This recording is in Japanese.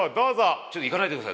ちょっといかないでください。